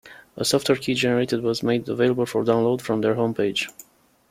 A software key generated was made available for download from their home page.